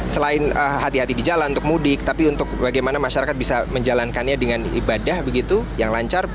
selain hati hati di jalan untuk mudik tapi untuk bagaimana masyarakat bisa menjalankannya dengan ibadah begitu yang lancar